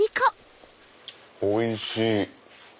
おいしい！